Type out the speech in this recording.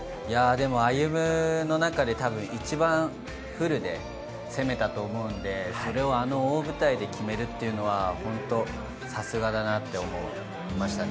歩夢の中でたぶん一番フルで攻めたと思うんで、それをあの大舞台で決めるというのは本当にさすがだなと思いましたね。